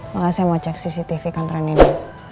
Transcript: maka saya mau cek cctv kantoran nino